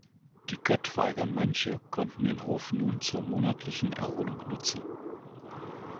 Die Göttweiger Mönche konnten den Hof nun zur monatlichen Erholung nutzen.